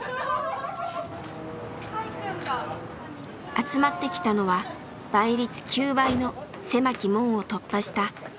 集まってきたのは倍率９倍の狭き門を突破した一期生たち。